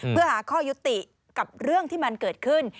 เพื่อหาข้อยุติกับเรื่องที่มันเกิดขึ้น